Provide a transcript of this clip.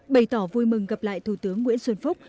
bày tỏ vui mừng gặp lại thủ tướng nguyễn xuân phúc